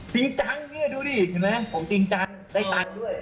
นี่จังดูดิเห็นไหมผมจริงจังได้ตั้งด้วย